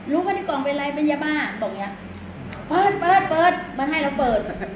ว่าในกล่องเป็นอะไรเป็นยาบ้าบอกอย่างเงี้ยเปิดเปิดเปิดมาให้เราเปิด